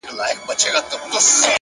د فکر روڼتیا د ژوند لار اسانه کوي’